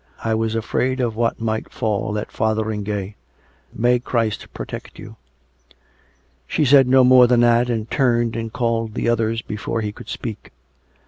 I was afraid of what might fall at Fotheringay. ... May Christ protect you !" She said no more than that, but turned and called the others before he could speak.